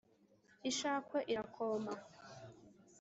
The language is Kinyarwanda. ishakwe irakoma,